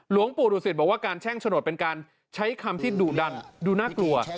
หลวงปู่ดุสิตบอกว่าการแช่งโฉนดเป็นการใช้คำที่ดุดันดูน่ากลัว